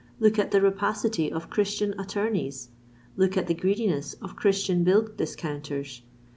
Look at the rapacity of Christian attorneys!—look at the greediness of Christian bill discounters!